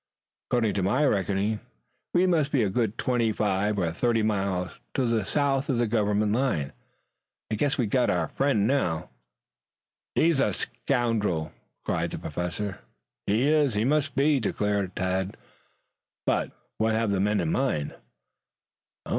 According to my reckoning, we must be a good twenty five or thirty miles to the south of the government line. I guess we've got our friend now." "He's a scoundrel!" cried the Professor. "He is. He must be," declared Tad. "But, what have the men in mind?"